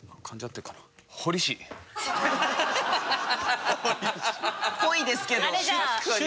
っぽいですけど。